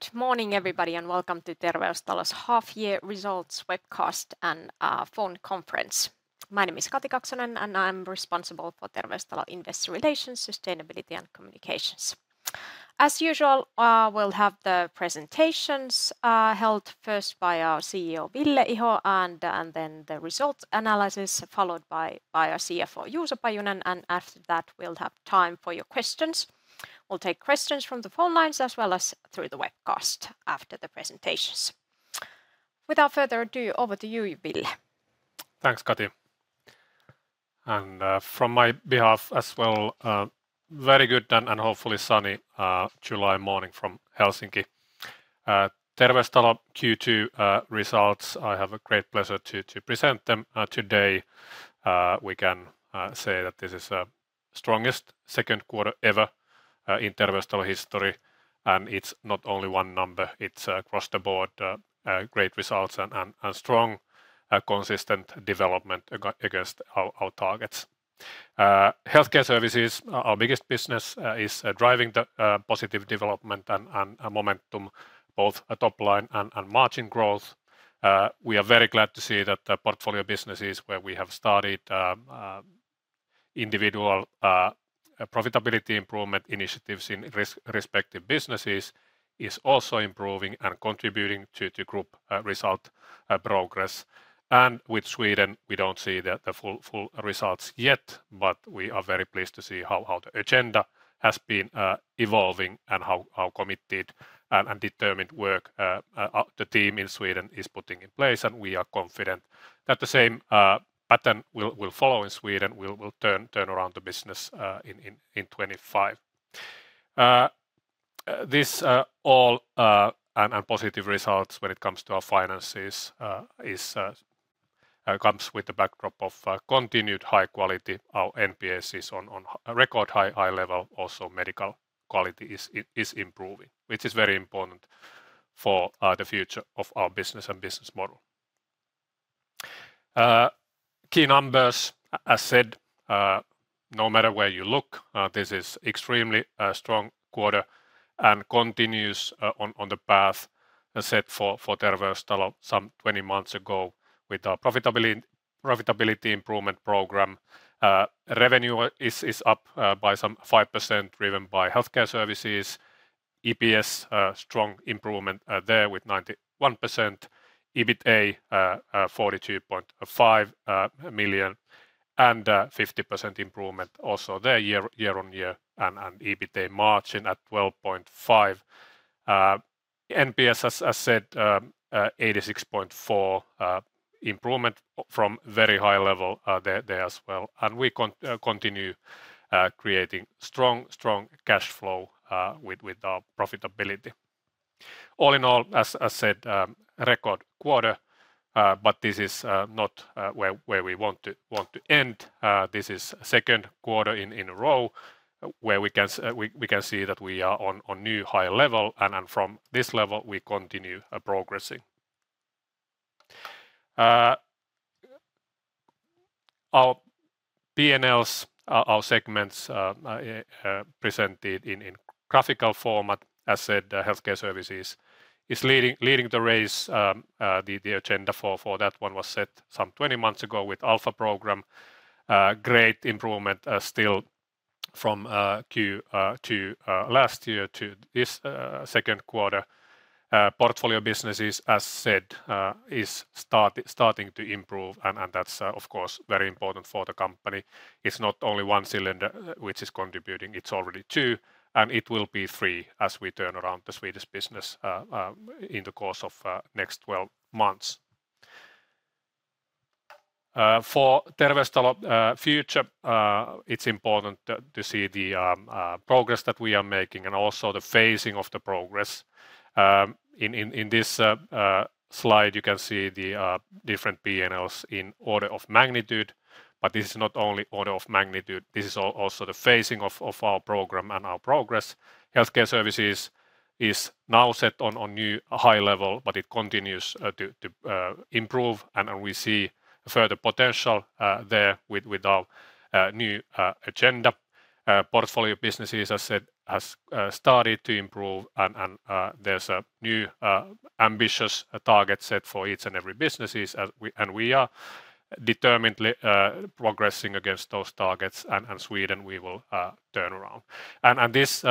Good morning, everybody, and welcome to Terveystalo's half year results webcast and phone conference. My name is Kati Kaksonen, and I am responsible for Terveystalo Investor Relations, Sustainability and Communications. As usual, we will have the presentations held first by our CEO, Ville Iho, then the results analysis followed by our CFO, Juuso Pajunen. After that, we will have time for your questions. We will take questions from the phone lines as well as through the webcast after the presentations. Without further ado, over to you, Ville. Thanks, Kati. From my behalf as well, a very good and hopefully sunny July morning from Helsinki. Terveystalo Q2 results, I have a great pleasure to present them today. We can say that this is our strongest second quarter ever in Terveystalo history. It is not only one number, it is across the board great results and strong, consistent development against our targets. Healthcare Services, our biggest business, is driving the positive development and momentum, both top line and margin growth. We are very glad to see that the portfolio businesses where we have started individual profitability improvement initiatives in respective businesses is also improving and contributing to group result progress. With Sweden, we do not see the full results yet, but we are very pleased to see how the agenda has been evolving and how committed and determined work the team in Sweden is putting in place. We are confident that the same pattern will follow in Sweden. We will turn around the business in 2025. These are all positive results when it comes to our finances. It comes with the backdrop of continued high quality. Our NPS is on a record high level. Also, medical quality is improving, which is very important for the future of our business and business model. Key numbers. As said, no matter where you look, this is extremely a strong quarter and continues on the path set for Terveystalo some 20 months ago with our profitability improvement program. Revenue is up by some 5%, driven by Healthcare Services. EPS, strong improvement there with 91%. EBITDA, 42.5 million and a 50% improvement also there year-on-year. EBITDA margin at 12.5%. NPS, as said, 86.4% improvement from very high level there as well. We continue creating strong cash flow with our profitability. All in all, as said, a record quarter but this is not where we want to end. This is the second quarter in a row where we can see that we are on a new high level, and from this level, we continue progressing. Our P&Ls, our segments presented in graphical format. As said, the Healthcare Services is leading the race. The agenda for that one was set some 20 months ago with Alpha program. Great improvement still from Q2 last year to this second quarter. Portfolio businesses, as said, is starting to improve. That is, of course, very important for the company. It is not only one cylinder which is contributing. It is already two, and it will be three as we turn around the Swedish business in the course of the next 12 months. For Terveystalo future, it is important to see the progress that we are making and also the phasing of the progress. In this slide, you can see the different P&Ls in order of magnitude, but this is not only order of magnitude, this is also the phasing of our program and our progress. Healthcare Services is now set on a new high level, but it continues to improve, and we see further potential there with our new agenda. Portfolio businesses, as said, have started to improve, there is a new ambitious target set for each and every business. We are determinedly progressing against those targets. Sweden, we will turn around. These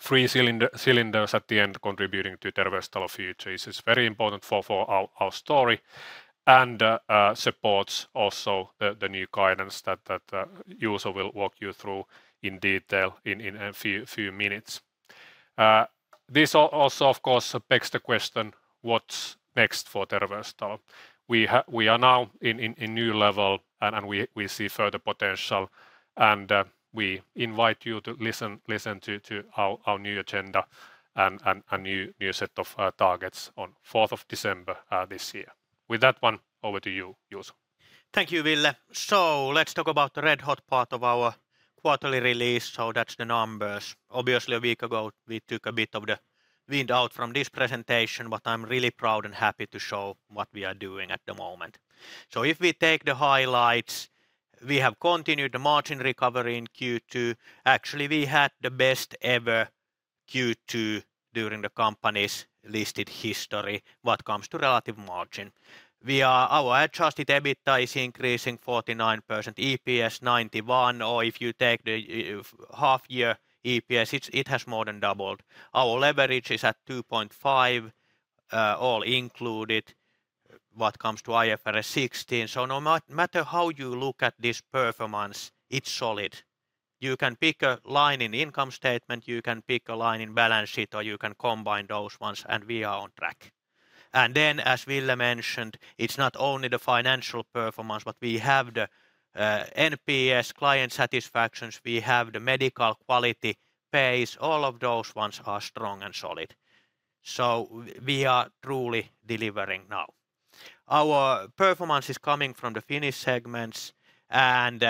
three cylinders at the end contributing to Terveystalo future. This is very important for our story and supports also the new guidance that Juuso will walk you through in detail in a few minutes. This also, of course, begs the question, what is next for Terveystalo? We are now in a new level, and we see further potential, and we invite you to listen to our new agenda and new set of targets on the 4th of December this year. With that one, over to you, Juuso. Thank you, Ville. Let us talk about the red hot part of our quarterly release. That is the numbers. Obviously, a week ago, we took a bit of the wind out from this presentation, but I am really proud and happy to show what we are doing at the moment. If we take the highlights We have continued the margin recovery in Q2. Actually, we had the best ever Q2 during the company's listed history when it comes to relative margin. Our adjusted EBITDA is increasing 49%, EPS 91%, or if you take the half-year EPS, it has more than doubled. Our leverage is at 2.5, all included, when it comes to IFRS 16. No matter how you look at this performance, it is solid. You can pick a line in income statement, you can pick a line in balance sheet, or you can combine those ones, and we are on track. Then, as Ville mentioned, it is not only the financial performance, but we have the NPS client satisfactions. We have the medical quality, pace, all of those ones are strong and solid. We are truly delivering now. Our performance is coming from the Finnish segments and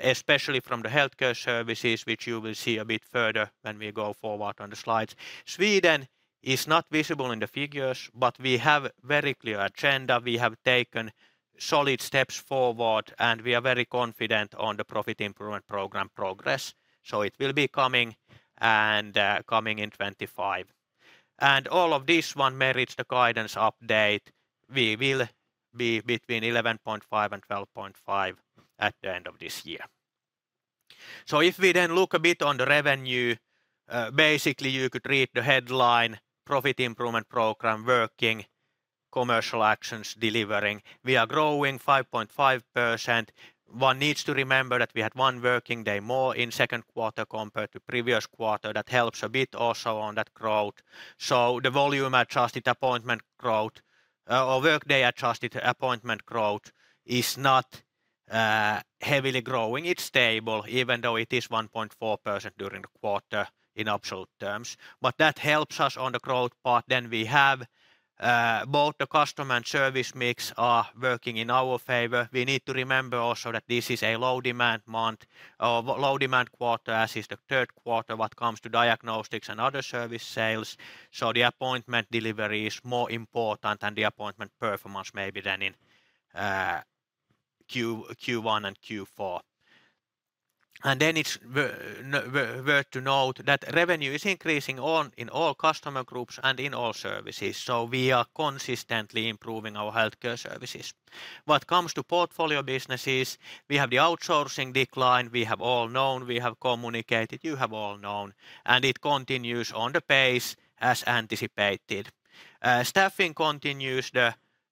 especially from the Healthcare Services, which you will see a bit further when we go forward on the slides. Sweden is not visible in the figures, we have a very clear agenda. We have taken solid steps forward, we are very confident on the profit improvement program progress. It will be coming in 2025. All of this one merits the guidance update. We will be between 11.5% and 12.5% at the end of this year. If we then look a bit on the revenue, basically you could read the headline, profit improvement program working, commercial actions delivering. We are growing 5.5%. One needs to remember that we had 1 working day more in Q2 compared to previous quarter. That helps a bit also on that growth. The volume-adjusted appointment growth or workday-adjusted appointment growth is not heavily growing. It is stable, even though it is 1.4% during the quarter in absolute terms. That helps us on the growth part. We have both the customer and service mix are working in our favor. We need to remember also that this is a low demand month or low demand quarter, as is the Q3 when it comes to diagnostics and other service sales. The appointment delivery is more important than the appointment performance maybe than in Q1 and Q4. It is worth to note that revenue is increasing in all customer groups and in all services. We are consistently improving our Healthcare Services. What comes to Portfolio businesses, we have the outsourcing decline. We have all known, we have communicated, you have all known, it continues on the pace as anticipated. Staffing continues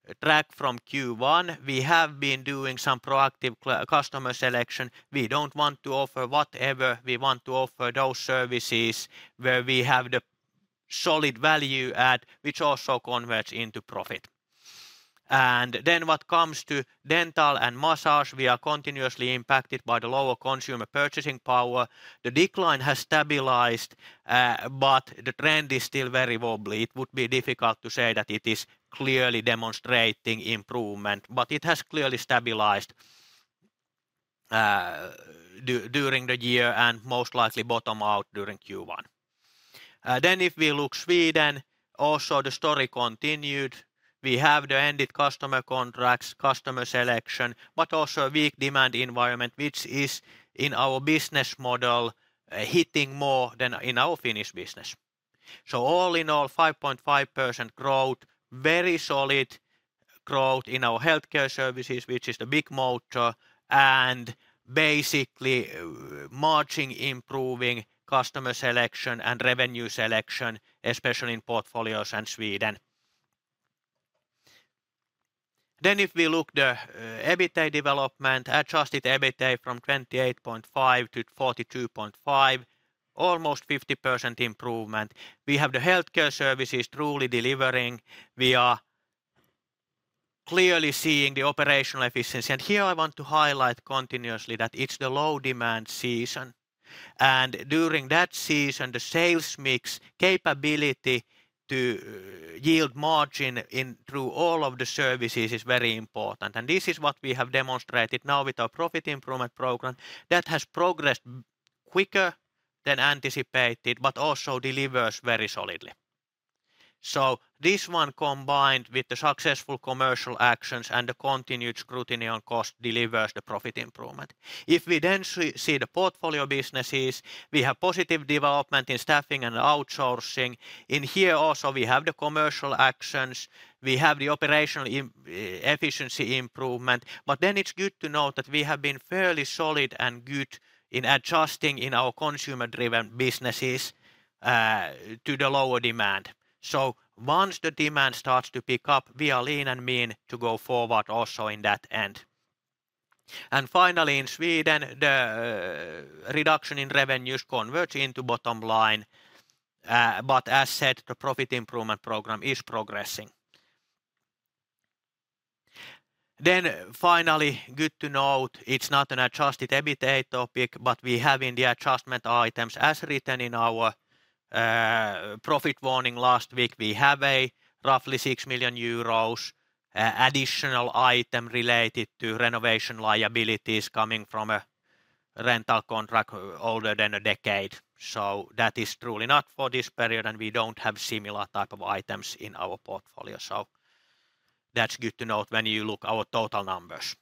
the track from Q1. We have been doing some proactive customer selection. We do not want to offer whatever. We want to offer those services where we have the solid value add, which also converts into profit. What comes to dental and massage, we are continuously impacted by the lower consumer purchasing power. The decline has stabilized, the trend is still very wobbly. It would be difficult to say that it is clearly demonstrating improvement, it has clearly stabilized during the year and most likely bottom out during Q1. If we look Sweden, also the story continued. We have the ended customer contracts, customer selection, a weak demand environment, which is, in our business model, hitting more than in our Finnish business. All in all, 5.5% growth, very solid growth in our Healthcare Services, which is the big motor, basically margin improving, customer selection, and revenue selection, especially in Portfolio businesses and Sweden. If we look the EBITDA development, adjusted EBITDA from 28.5 to 42.5, almost 50% improvement. We have the Healthcare Services truly delivering. We are clearly seeing the operational efficiency. Here I want to highlight continuously that it is the low demand season. During that season, the sales mix capability to yield margin through all of the services is very important. This is what we have demonstrated now with our profit improvement program that has progressed quicker than anticipated, delivers very solidly. This one combined with the successful commercial actions and the continued scrutiny on cost delivers the profit improvement. If we then see the Portfolio businesses, we have positive development in staffing and outsourcing. In here also, we have the commercial actions. We have the operational efficiency improvement. It's good to note that we have been fairly solid and good in adjusting in our consumer-driven businesses to the lower demand. Once the demand starts to pick up, we are lean and mean to go forward also in that end. Finally, in Sweden, the reduction in revenues converts into bottom line. As said, the profit improvement program is progressing. Finally, good to note, it's not an adjusted EBITDA topic, but we have in the adjustment items as written in our profit warning last week. We have a roughly 6 million euros additional item related to renovation liabilities coming from a rental contract older than a decade. That is truly not for this period, and we don't have similar type of items in our portfolio. That's good to note when you look our total numbers.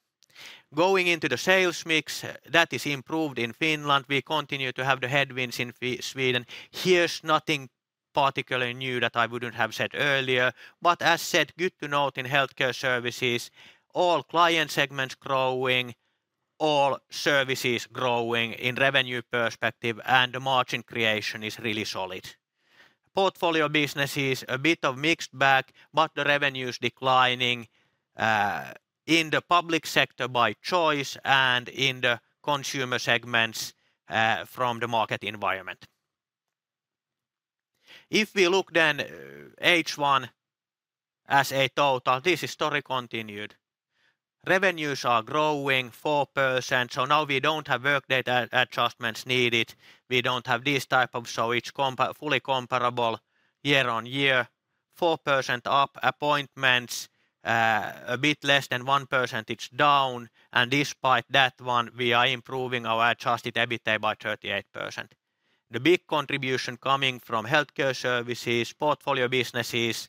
Going into the sales mix, that is improved in Finland. We continue to have the headwinds in Sweden. Here's nothing particularly new that I wouldn't have said earlier. As said, good to note in Healthcare Services, all client segments growing, all services growing in revenue perspective, and the margin creation is really solid. Portfolio businesses, a bit of mixed bag, but the revenues declining in the public sector by choice and in the consumer segments from the market environment. If we look then H1 as a total, this is story continued. Revenues are growing 4%, so now we don't have workday adjustments needed. We don't have this type of, so it's fully comparable year on year, 4% up appointments, a bit less than 1% it's down. Despite that one, we are improving our adjusted EBITDA by 38%. The big contribution coming from Healthcare Services, Portfolio businesses,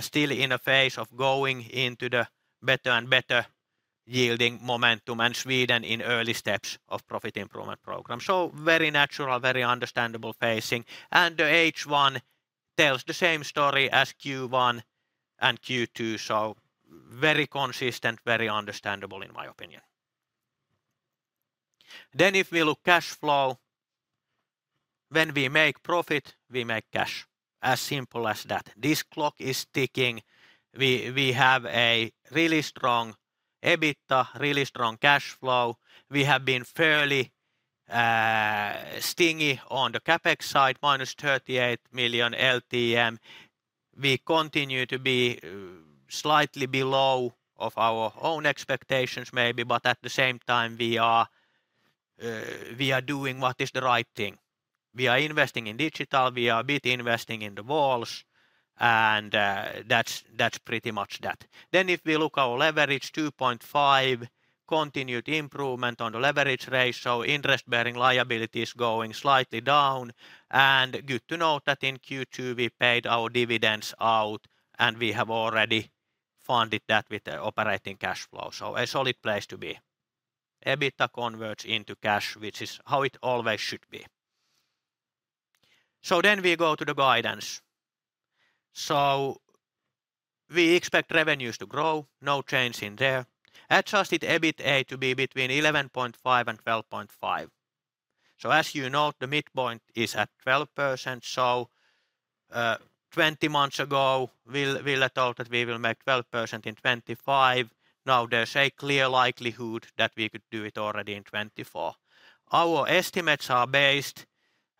still in a phase of going into the better and better yielding momentum in Sweden in early steps of profit improvement program. Very natural, very understandable phasing. The H1 tells the same story as Q1 and Q2, so very consistent, very understandable in my opinion. If we look cash flow, when we make profit, we make cash. As simple as that. This clock is ticking. We have a really strong EBITDA, really strong cash flow. We have been fairly stingy on the CapEx side, minus 38 million LTM. We continue to be slightly below of our own expectations maybe, but at the same time, we are doing what is the right thing. We are investing in digital, we are a bit investing in the walls, and that's pretty much that. If we look our leverage, 2.5, continued improvement on the leverage ratio, interest-bearing liabilities going slightly down. Good to note that in Q2, we paid our dividends out, and we have already funded that with the operating cash flow. A solid place to be. EBITDA converts into cash, which is how it always should be. We then go to the guidance. We expect revenues to grow, no change in there. Adjusted EBITDA to be between 11.5% and 12.5%. As you note, the midpoint is at 12%, 20 months ago, Ville thought that we will make 12% in 2025. Now there's a clear likelihood that we could do it already in 2024. Our estimates are based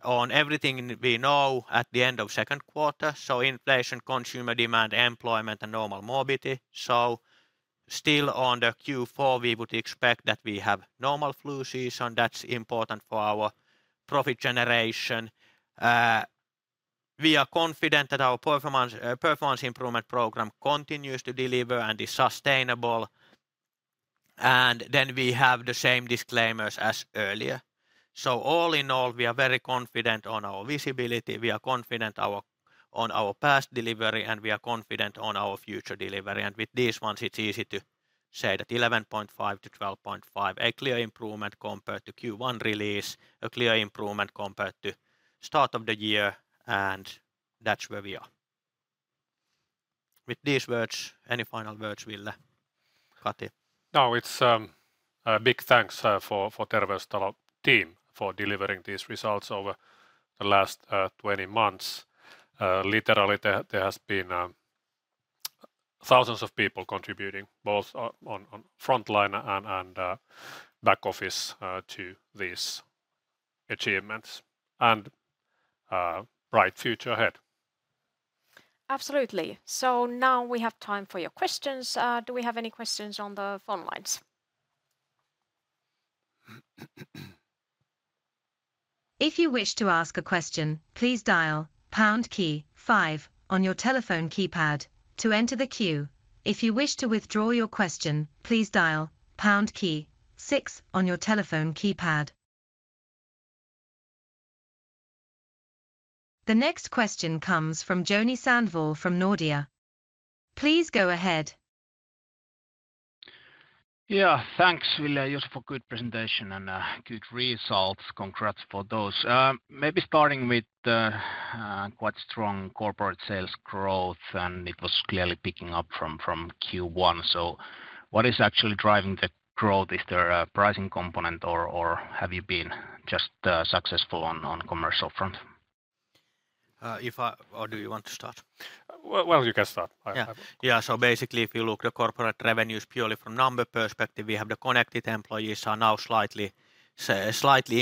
on everything we know at the end of second quarter, so inflation, consumer demand, employment, and normal morbidity. Still on the Q4, we would expect that we have normal flu season. That's important for our profit generation. We are confident that our performance improvement program continues to deliver and is sustainable. Then we have the same disclaimers as earlier. All in all, we are very confident on our visibility. We are confident on our past delivery, and we are confident on our future delivery. With these ones, it's easy to say that 11.5%-12.5%, a clear improvement compared to Q1 release, a clear improvement compared to start of the year, and that's where we are. With these words, any final words, Ville, Kati? No, it's a big thanks for Terveystalo team for delivering these results over the last 20 months. Literally, there has been thousands of people contributing, both on frontline and back office to these achievements. Bright future ahead. Absolutely. Now we have time for your questions. Do we have any questions on the phone lines? If you wish to ask a question, please dial # key 5 on your telephone keypad to enter the queue. If you wish to withdraw your question, please dial # key 6 on your telephone keypad. The next question comes from Joni Sandvall from Nordea. Please go ahead. Yeah. Thanks, Ville, Juuso, for good presentation and good results. Congrats for those. Maybe starting with the quite strong corporate sales growth, it was clearly picking up from Q1. What is actually driving the growth? Is there a pricing component, or have you been just successful on commercial front? Do you want to start? Well, you can start. Yeah. Basically, if you look the corporate revenues purely from number perspective, we have the connected employees are now slightly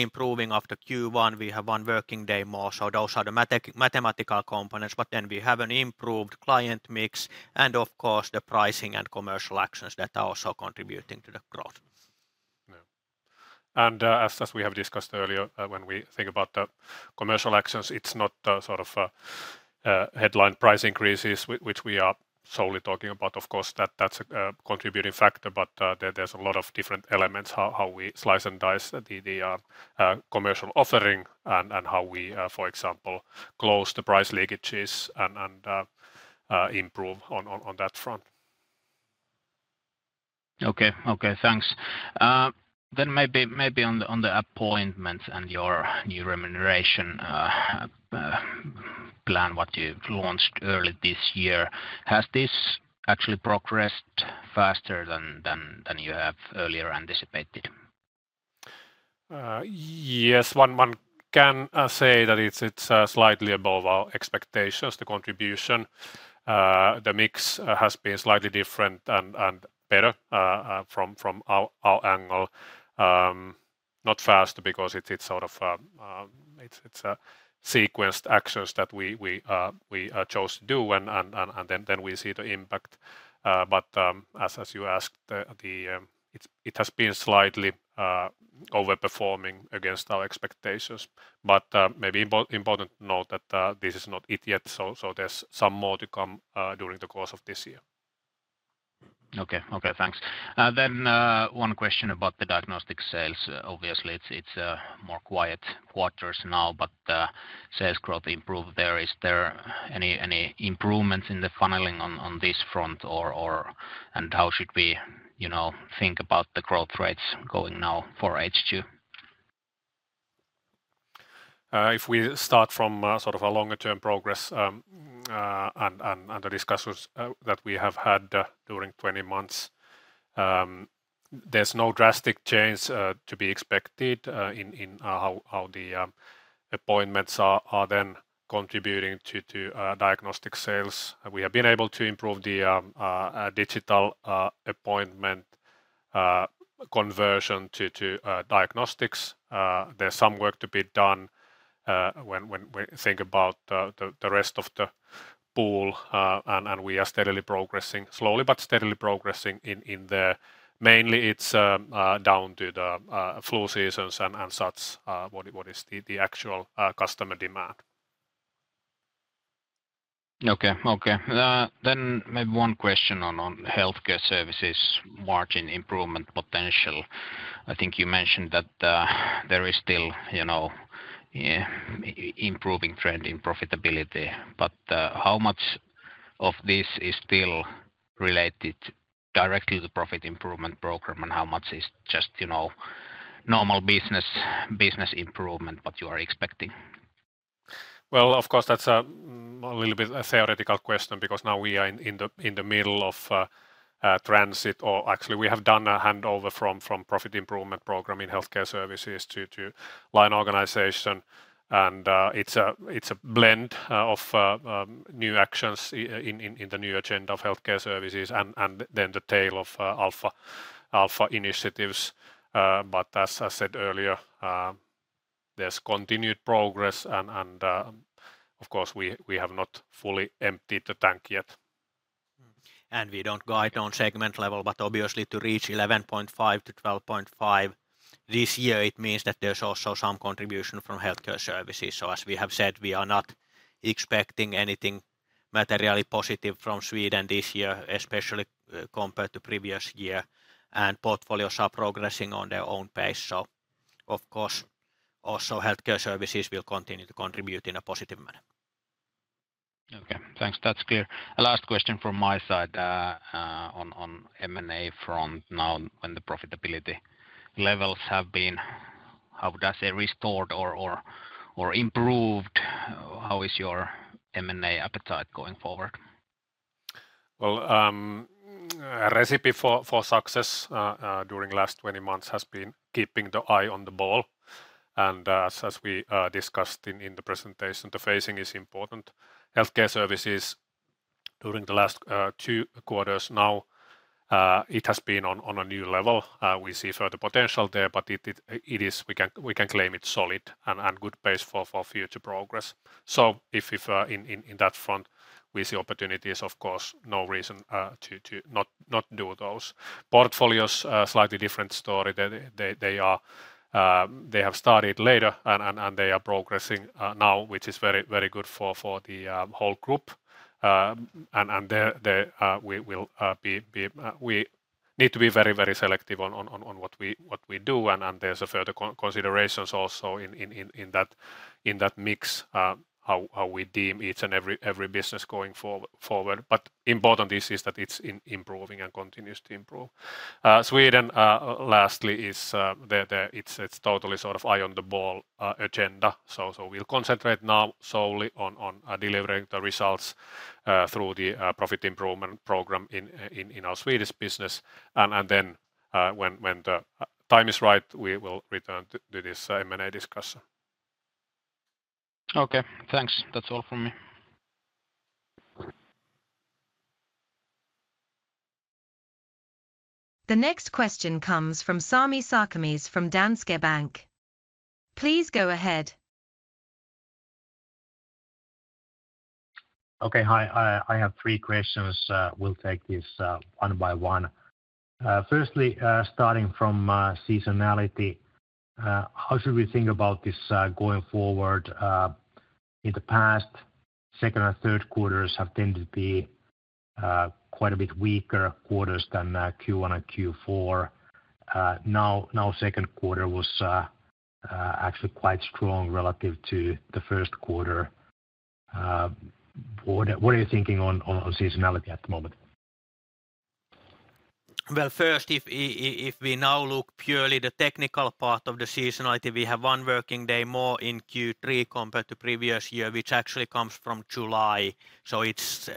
improving after Q1. We have one working day more, so those are the mathematical components. We have an improved client mix, and of course, the pricing and commercial actions that are also contributing to the growth. As we have discussed earlier, when we think about the commercial actions, it's not headline price increases which we are solely talking about. Of course, that's a contributing factor, but there's a lot of different elements how we slice and dice the commercial offering and how we, for example, close the price leakages and improve on that front. Okay. Thanks. Maybe on the appointments and your new remuneration plan what you've launched early this year. Has this actually progressed faster than you have earlier anticipated? Yes. One can say that it's slightly above our expectations, the contribution. The mix has been slightly different and better from our angle. Not fast because it's sequenced actions that we chose to do and then we see the impact. As you asked, it has been slightly over-performing against our expectations. Maybe important to note that this is not it yet, so there's some more to come during the course of this year. Okay. Thanks. One question about the diagnostic sales. Obviously, it's more quiet quarters now, but sales growth improved there. Is there any improvements in the funneling on this front, and how should we think about the growth rates going now for H2? If we start from sort of a longer term progress and the discussions that we have had during 20 months, there's no drastic change to be expected in how the appointments are then contributing to diagnostic sales. We have been able to improve the digital appointment conversion to diagnostics. There's some work to be done when we think about the rest of the pool, and we are steadily progressing, slowly but steadily progressing in there. It's down to the flu seasons and such what is the actual customer demand. Okay. Maybe one question on Healthcare Services margin improvement potential. I think you mentioned that there is still improving trend in profitability, how much of this is still related directly to profit improvement program and how much is just normal business improvement what you are expecting? Well, of course, that's a little bit a theoretical question because now we are in the middle of a transit, or actually we have done a handover from profit improvement program in Healthcare Services to line organization. It's a blend of new actions in the new agenda of Healthcare Services and the tail of Alpha initiatives. As I said earlier, there's continued progress and, of course, we have not fully emptied the tank yet. We don't guide on segment level, but obviously to reach 11.5%-12.5% this year, it means that there's also some contribution from Healthcare Services. As we have said, we are not expecting anything materially positive from Sweden this year, especially compared to previous year, portfolios are progressing on their own pace. Of course, also Healthcare Services will continue to contribute in a positive manner. Okay. Thanks. That's clear. Last question from my side on M&A front now when the profitability levels have been, how would I say, restored or improved. How is your M&A appetite going forward? Well, recipe for success during last 20 months has been keeping the eye on the ball. As we discussed in the presentation, the phasing is important. Healthcare Services during the last two quarters now, it has been on a new level. We see further potential there, but we can claim it solid and good base for future progress. If in that front, we see opportunities, of course, no reason to not do those. Portfolios, slightly different story. They have started later and they are progressing now, which is very good for the whole group. We need to be very selective on what we do, and there's further considerations also in that mix how we deem each and every business going forward. Important is that it's improving and continues to improve. Sweden, lastly, it's totally sort of eye on the ball agenda. We'll concentrate now solely on delivering the results through the profit improvement program in our Swedish business. When the time is right, we will return to this M&A discussion. Okay. Thanks. That's all from me. The next question comes from Sami Sarkamies from Danske Bank. Please go ahead Okay. Hi, I have three questions. We will take these one by one. Firstly, starting from seasonality, how should we think about this going forward? In the past, second and third quarters have tended to be quite a bit weaker quarters than Q1 and Q4. Now, second quarter was actually quite strong relative to the first quarter. What are you thinking on seasonality at the moment? Well, first, if we now look purely the technical part of the seasonality, we have one working day more in Q3 compared to previous year, which actually comes from July. It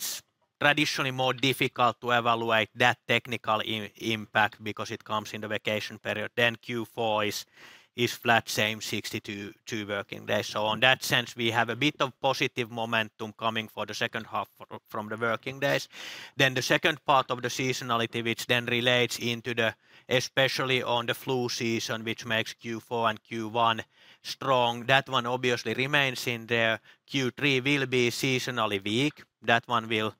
is traditionally more difficult to evaluate that technical impact because it comes in the vacation period. Q4 is flat, same 62 working days. On that sense, we have a bit of positive momentum coming for the second half from the working days. The second part of the seasonality, which then relates into the especially on the flu season, which makes Q4 and Q1 strong. That one obviously remains in there. Q3 will be seasonally weak. That one will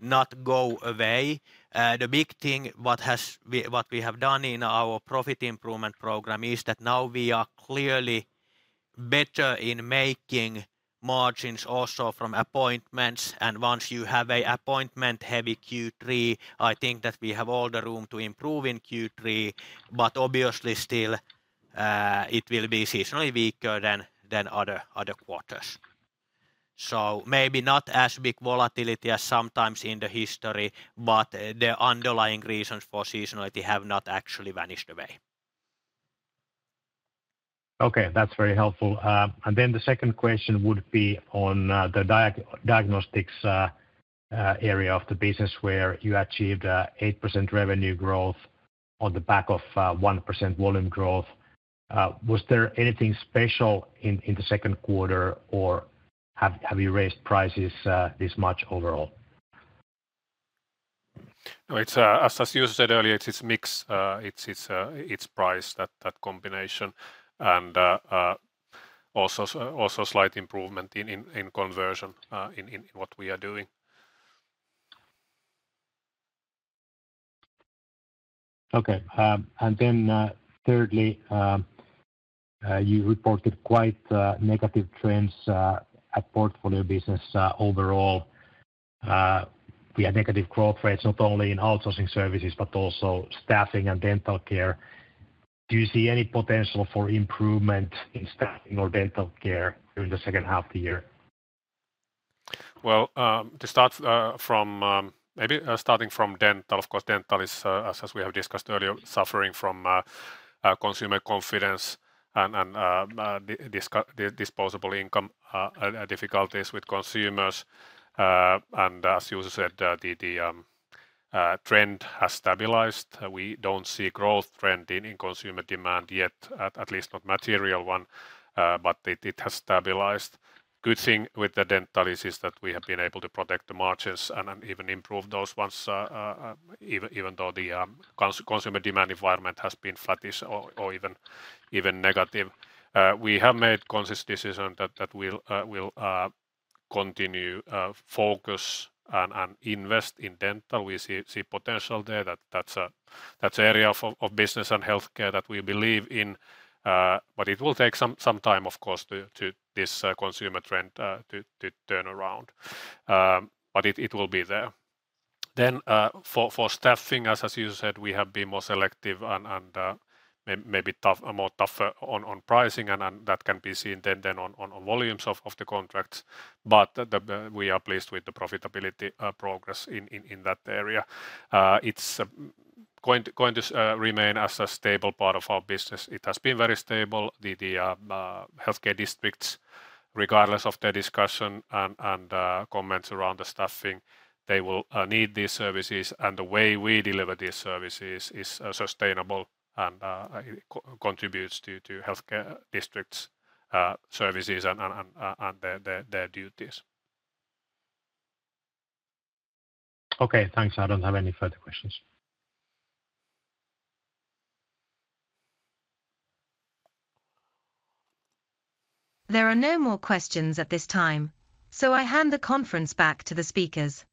not go away. The big thing what we have done in our profit improvement program is that now we are clearly better in making margins also from appointments. Once you have an appointment heavy Q3, I think that we have all the room to improve in Q3, but obviously still, it will be seasonally weaker than other quarters. Maybe not as big volatility as sometimes in the history, but the underlying reasons for seasonality have not actually vanished away. Okay. That is very helpful. The second question would be on the diagnostics area of the business where you achieved 8% revenue growth on the back of 1% volume growth. Was there anything special in the second quarter, or have you raised prices this much overall? As Juuso said earlier, it's mix, it's price, that combination, and also slight improvement in conversion in what we are doing. Then thirdly, you reported quite negative trends at portfolio business overall. We had negative growth rates not only in outsourcing services, but also staffing and dental care. Do you see any potential for improvement in staffing or dental care during the second half of the year? Well, maybe starting from dental. Of course, dental is, as we have discussed earlier, suffering from consumer confidence and disposable income difficulties with consumers. As Juuso said, the trend has stabilized. We don't see growth trend in consumer demand yet, at least not material one, but it has stabilized. Good thing with the dental is that we have been able to protect the margins and even improve those ones even though the consumer demand environment has been flattish or even negative. We have made conscious decision that we'll continue focus and invest in dental. We see potential there. That's area of business and healthcare that we believe in, it will take some time, of course, this consumer trend to turn around. It will be there. For staffing, as Juuso said, we have been more selective and maybe more tougher on pricing, and that can be seen then on volumes of the contracts. We are pleased with the profitability progress in that area. It's going to remain as a stable part of our business. It has been very stable. The healthcare districts, regardless of their discussion and comments around the staffing, they will need these services, and the way we deliver these services is sustainable and contributes to healthcare districts' services and their duties. Okay, thanks. I don't have any further questions. There are no more questions at this time. I hand the conference back to the speakers.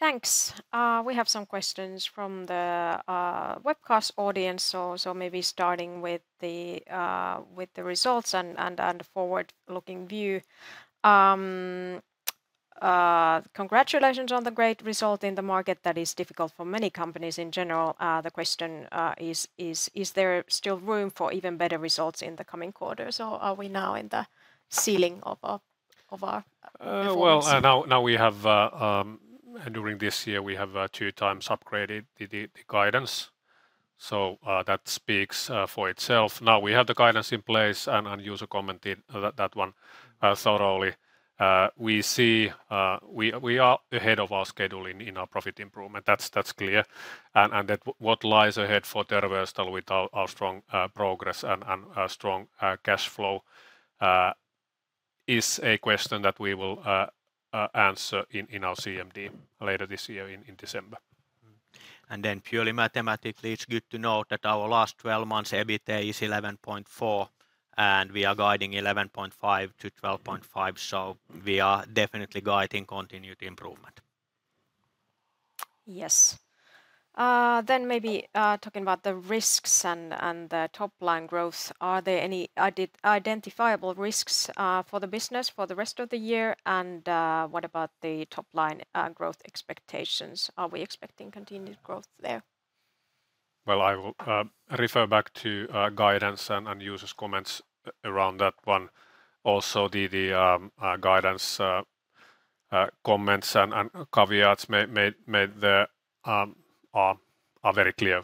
Thanks. We have some questions from the webcast audience. Maybe starting with the results and the forward-looking view. Congratulations on the great result in the market that is difficult for many companies in general. The question is: Is there still room for even better results in the coming quarters, or are we now in the ceiling of our performance? Well, now during this year, we have two times upgraded the guidance. That speaks for itself. Now we have the guidance in place, Juuso commented that one thoroughly. We are ahead of our schedule in our profit improvement. That's clear. That what lies ahead for Terveystalo with our strong progress and strong cash flow is a question that we will answer in our CMD later this year in December. Purely mathematically, it's good to note that our last 12 months EBITA is 11.4, and we are guiding 11.5 to 12.5. We are definitely guiding continued improvement. Maybe talking about the risks and the top-line growth, are there any identifiable risks for the business for the rest of the year? What about the top-line growth expectations? Are we expecting continued growth there? I will refer back to guidance and Juuso's comments around that one. The guidance comments and caveats made there are very clear.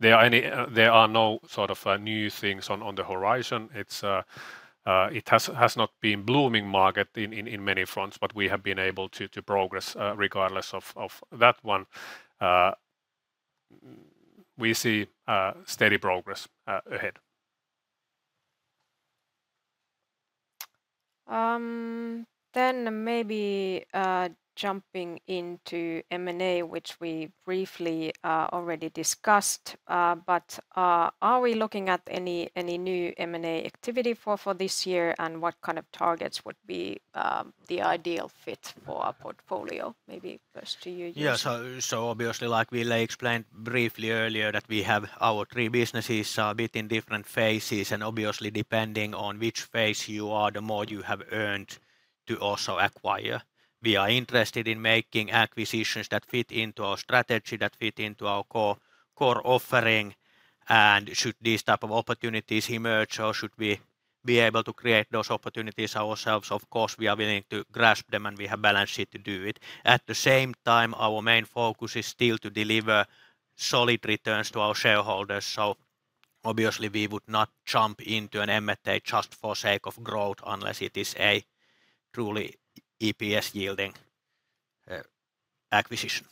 There are no new things on the horizon. It has not been blooming market in many fronts, but we have been able to progress regardless of that one. We see steady progress ahead. Maybe jumping into M&A, which we briefly already discussed. Are we looking at any new M&A activity for this year? What kind of targets would be the ideal fit for our portfolio? Maybe first to you, Juuso. Yeah. Obviously, like Ville explained briefly earlier, that we have our three businesses a bit in different phases, and obviously depending on which phase you are, the more you have earned to also acquire. We are interested in making acquisitions that fit into our strategy, that fit into our core offering. Should these type of opportunities emerge or should we be able to create those opportunities ourselves, of course, we are willing to grasp them, and we have balance sheet to do it. At the same time, our main focus is still to deliver solid returns to our shareholders. Obviously, we would not jump into an M&A just for sake of growth unless it is a truly EPS-yielding acquisition.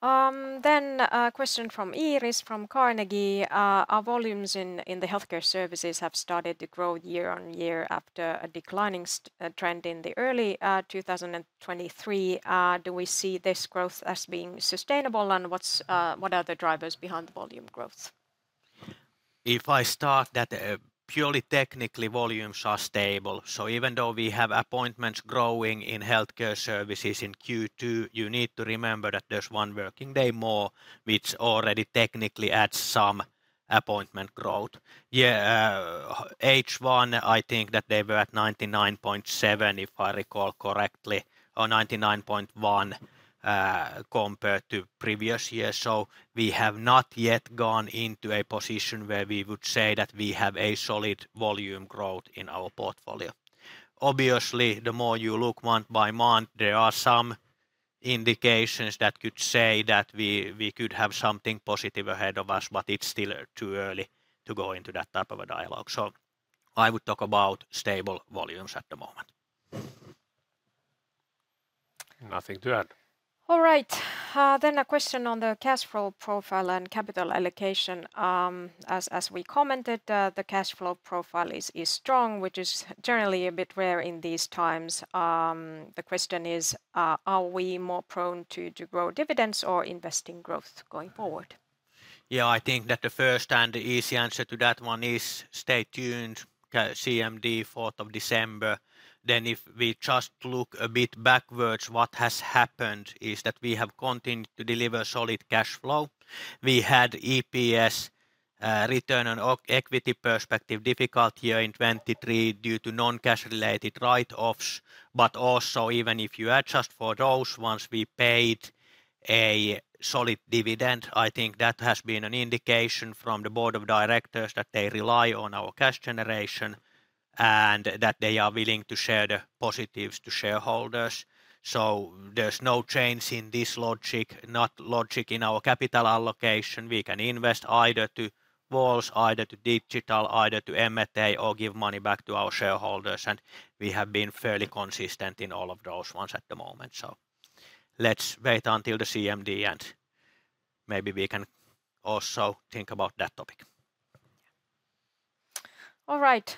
A question from Iris from Carnegie. Our volumes in the Healthcare Services have started to grow year-on-year after a declining trend in the early 2023. Do we see this growth as being sustainable, and what are the drivers behind the volume growth? If I start that purely technically, volumes are stable. Even though we have appointments growing in Healthcare Services in Q2, you need to remember that there's one working day more, which already technically adds some appointment growth. H1, I think that they were at 99.7, if I recall correctly, or 99.1, compared to previous year. We have not yet gone into a position where we would say that we have a solid volume growth in our portfolio. Obviously, the more you look month-by-month, there are some indications that could say that we could have something positive ahead of us, but it's still too early to go into that type of a dialogue. I would talk about stable volumes at the moment. Nothing to add. All right. A question on the cash flow profile and capital allocation. As we commented, the cash flow profile is strong, which is generally a bit rare in these times. The question is, are we more prone to grow dividends or invest in growth going forward? Yeah, I think that the first and the easy answer to that one is stay tuned. CMD, 4th of December. If we just look a bit backwards, what has happened is that we have continued to deliver solid cash flow. We had EPS return on equity perspective difficult year in 2023 due to non-cash related write-offs. Also, even if you adjust for those ones, we paid a solid dividend. I think that has been an indication from the board of directors that they rely on our cash generation, and that they are willing to share the positives to shareholders. There's no change in this logic, not logic in our capital allocation. We can invest either to walls, either to digital, either to M&A, or give money back to our shareholders, and we have been fairly consistent in all of those ones at the moment. Let's wait until the CMD, and maybe we can also think about that topic. All right.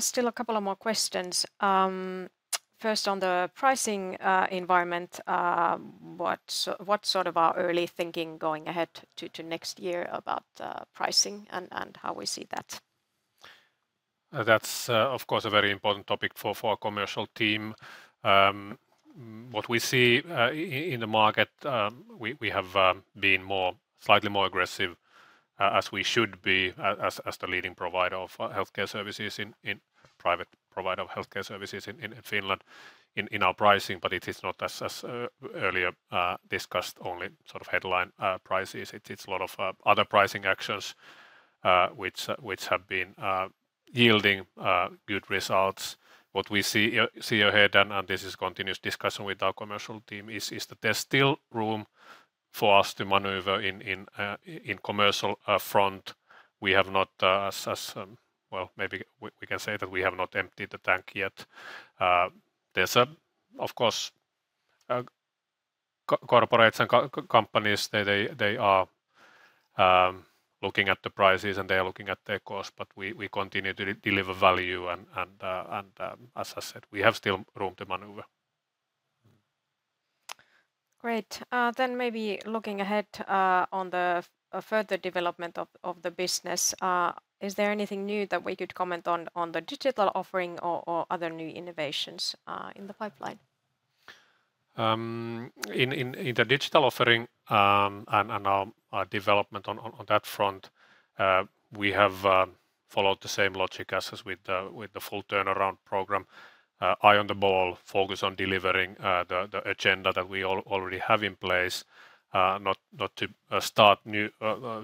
Still a couple of more questions. First, on the pricing environment, what's our early thinking going ahead to next year about pricing and how we see that? That's, of course, a very important topic for our commercial team. What we see in the market, we have been slightly more aggressive, as we should be as the leading private provider of Healthcare Services in Finland in our pricing. It is not as earlier discussed, only headline prices. It's a lot of other pricing actions which have been yielding good results. What we see ahead, and this is continuous discussion with our commercial team, is that there's still room for us to maneuver in commercial front. Well, maybe we can say that we have not emptied the tank yet. There's, of course, corporates and companies, they are looking at the prices and they are looking at their cost, but we continue to deliver value and as I said, we have still room to maneuver. Great. Maybe looking ahead on the further development of the business, is there anything new that we could comment on the digital offering or other new innovations in the pipeline? In the digital offering and our development on that front, we have followed the same logic as with the full turnaround program. Eye on the ball, focus on delivering the agenda that we already have in place. Not to start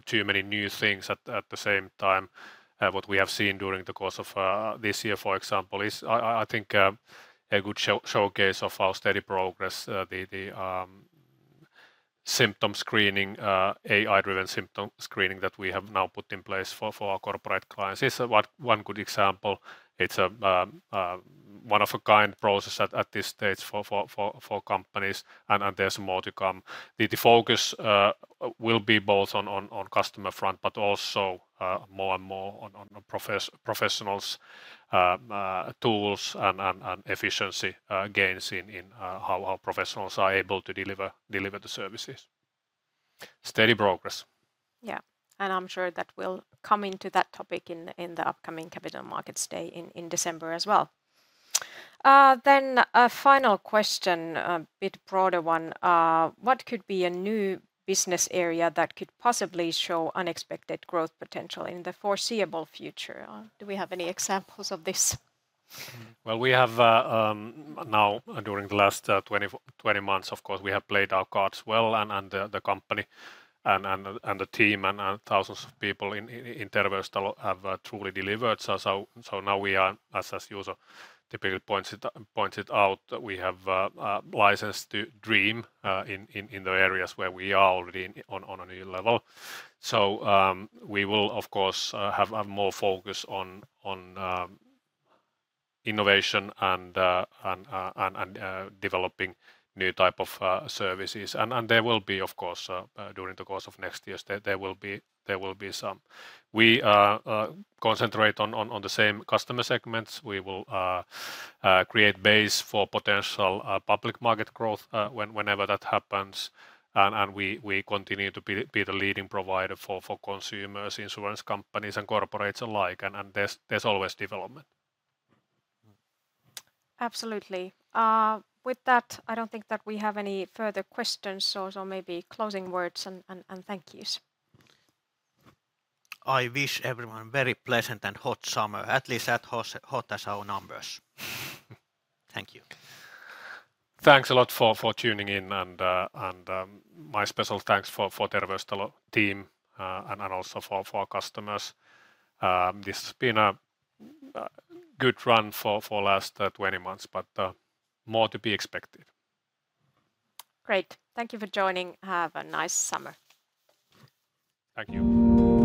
too many new things at the same time. What we have seen during the course of this year, for example, is I think a good showcase of our steady progress. The AI-driven symptom screening that we have now put in place for our corporate clients is one good example. It's a one-of-a-kind process at this stage for companies and there's more to come. The focus will be both on customer front, but also more and more on professionals' tools and efficiency gains in how professionals are able to deliver the services. Steady progress. Yeah. I'm sure that we'll come into that topic in the upcoming Capital Markets Day in December as well. A final question, a bit broader one. What could be a new business area that could possibly show unexpected growth potential in the foreseeable future? Do we have any examples of this? Well, during the last 20 months, of course, we have played our cards well, and the company and the team and thousands of people in Terveystalo have truly delivered. Now we are, as Juuso Pajunen pointed out, we have a license to dream in the areas where we are already on a new level. We will, of course, have more focus on innovation and developing new type of services. There will be, of course during the course of next year, there will be some. We concentrate on the same customer segments. We will create base for potential public market growth whenever that happens. We continue to be the leading provider for consumers, insurance companies, and corporates alike, and there's always development. Absolutely. With that, I don't think that we have any further questions, so maybe closing words and thank yous. I wish everyone a very pleasant and hot summer, at least as hot as our numbers. Thank you. Thanks a lot for tuning in, and my special thanks for Terveystalo team and also for our customers. This has been a good run for last 20 months, but more to be expected. Great. Thank you for joining. Have a nice summer. Thank you.